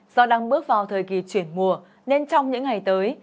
do đang bước vào thời kỳ chuyển mùa nên trong những ngày tới